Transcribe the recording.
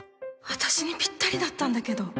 私にピッタリだったんだけど！